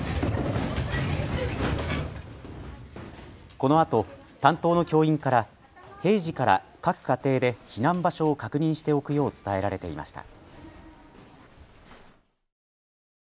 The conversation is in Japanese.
このあと担当の教員から平時から各家庭で避難場所を確認しておくよう伝えられていました。